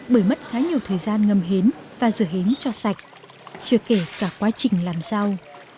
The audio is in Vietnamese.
bởi mất khá nhiều thời gian ngâm hến và rửa hến cho sạch chưa kể cả quá trình làm rau